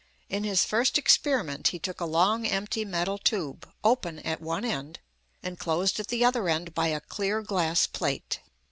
In his first experiment he took a long empty metal tube, open at one end, and closed at the other end by a clear glass plate.